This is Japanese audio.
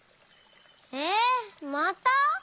えっまた？